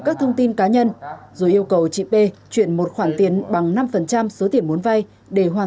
các thông tin cá nhân rồi yêu cầu chị p chuyển một khoản tiền bằng năm số tiền muốn vay để hoàn